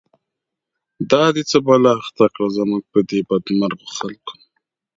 دا دی څه بلا اخته کړه، زمونږ په دی بد مرغوخلکو